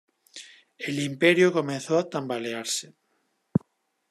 El imperio comenzó a tambalearse.